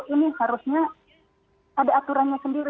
ini harusnya ada aturannya sendiri